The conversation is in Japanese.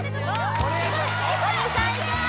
お願いします